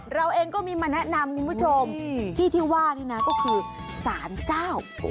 เราเองก็มีมาแนะนำคุณผู้ชมที่ที่ว่านี่นะก็คือสารเจ้า